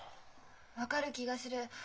分かる気がする。